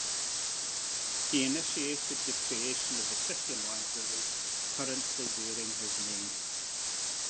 He initiated the creation of the City Library (currently bearing his name).